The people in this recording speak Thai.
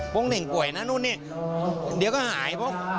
พร้อมหนึ่งป่วยนะนู่นนี่เดี๋ยวก็หาย